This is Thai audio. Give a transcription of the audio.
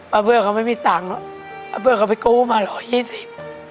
ป้าเผือกเขาไม่มีตังค์น่ะป้าเผือกเขาไปกู้มาหรอยี่สิบ